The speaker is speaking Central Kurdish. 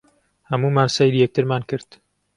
هەموومان سەیری یەکترمان کرد.